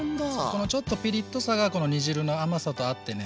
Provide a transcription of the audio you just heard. このちょっとピリッとさがこの煮汁の甘さと合ってね